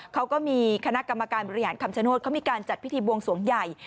เขาก็มีคณะกรรมการบริหารคำชโนธเขามีการจัดพิธีบวงสวงใหญ่